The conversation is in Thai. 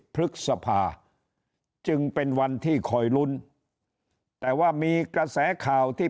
พฤษภาจึงเป็นวันที่คอยลุ้นแต่ว่ามีกระแสข่าวที่